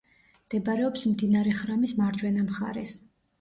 მდებარეობს მდინარე ხრამის მარჯვენა მხარეს.